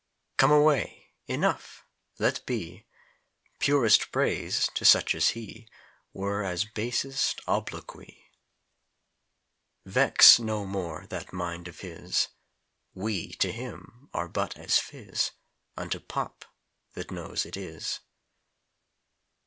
Come away! Enough! Let be! Purest praise, to such as he, Were as basest obloquy. Vex no more that mind of his, We, to him, are but as phizz Unto pop that knows it is.